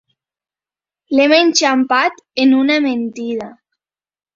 L'hem enxampat en una mentida.